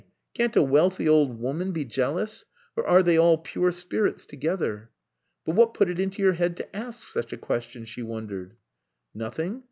Can't a wealthy old woman be jealous? Or, are they all pure spirits together?" "But what put it into your head to ask such a question?" she wondered. "Nothing.